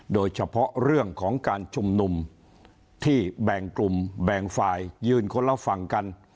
โดยเฉพาะเรื่องของการชุมนุมที่แบ่งกลุ่มแบ่งฝ่ายยืนคนละฝั่งกัน